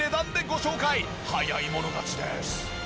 早い者勝ちです！